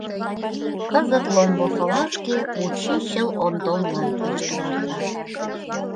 Кызыт Ломбосолашке учичыл Онтонлан пеш тулартат...